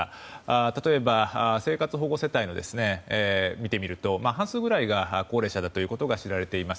例えば生活保護世帯を見てみると半数ぐらいが高齢者だということが知られています。